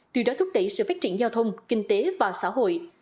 từ đó thúc đẩy sự phát triển giao thông kinh tế và xã hội